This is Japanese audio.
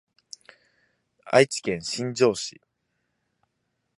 愛知県新城市